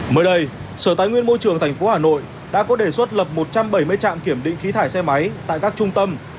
mới đây sở tài nguyên môi trường tp hà nội đã có đề xuất lập một trăm bảy mươi trạm kiểm định khí thải xe máy tại các trung tâm